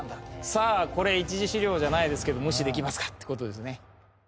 さあこれ一次史料じゃないですけど無視できますか？って事ですね。